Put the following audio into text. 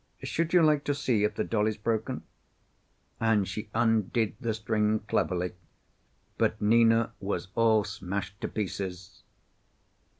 Should you like to see if the doll is broken?" And she undid the string cleverly, but Nina was all smashed to pieces.